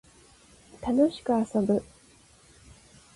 楽しく遊ぶ